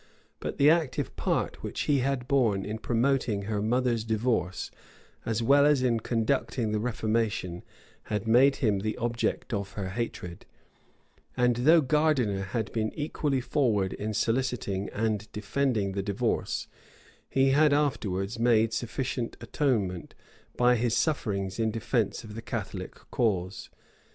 But the active part which he had borne in promoting her mother's divorce, as well as in conducting the reformation, had made him the object of her hatred; and though Gardiner had been equally forward in soliciting and defending the divorce, he had afterwards made sufficient atonement, by his sufferings in defence of the Catholic cause.